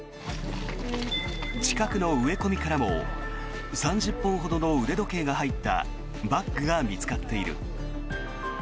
近くの植え込みからも３０本ほどの腕時計が入ったバッグが見つかっている。